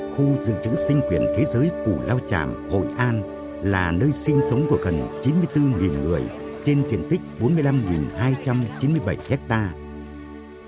khu dự trữ sinh quyền thế giới củ lao tràm hội an là nơi sinh sống của gần chín mươi bốn người trên triển tích bốn mươi năm hai trăm chín mươi bảy hectare